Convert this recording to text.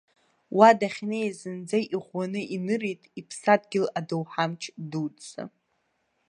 Уа дахьнеиз зынӡа иӷәӷәаны инырит иԥсадгьыл адоуҳамч дуӡӡа.